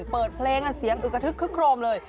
เปิดเพลงเสียงอึกกระทึกคึกโครมเลย